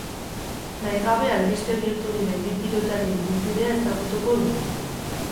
Nahi gabe albiste bihurtu diren bi pilotarien ibilbidea ezagutuko dugu.